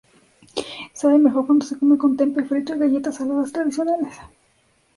Sabe mejor cuando se come con "tempe" frito y galletas saladas tradicionales.